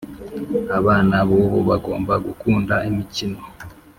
abana bubu bagomba gukunda imikino